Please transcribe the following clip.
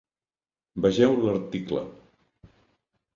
Vegeu l'article: